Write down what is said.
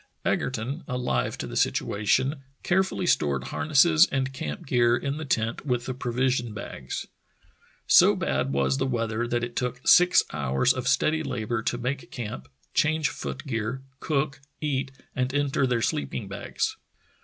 Egerton, alive to the situation, carefully stored harnesses and camp gear in the tent with the provision bags. So bad was the weather that it took six hours of steady labor to make camp, change foot gear, cook, eat, and enter their sleeping bags.